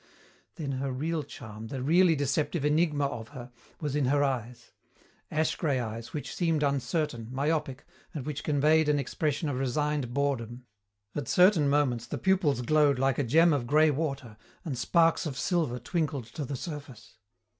Then her real charm, the really deceptive enigma of her, was in her eyes; ash grey eyes which seemed uncertain, myopic, and which conveyed an expression of resigned boredom. At certain moments the pupils glowed like a gem of grey water and sparks of silver twinkled to the surface.